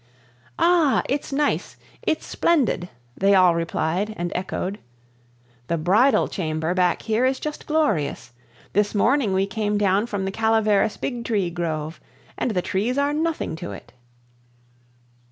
"Ah, it's nice! It's splendid!" they all replied and echoed. "The Bridal Chamber back here is just glorious! This morning we came down from the Calaveras Big Tree Grove, and the trees are nothing to it."